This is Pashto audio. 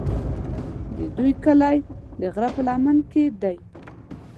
د دوی کلی د غره په لمن کې دی.